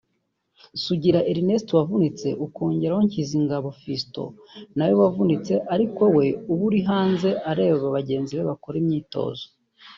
Sugira Ernest wavunitse ukongeraho Nkinzingabo Fiston nawe wavunitse ariko we uba uri hanze areba bagenzi be bakora imyitozo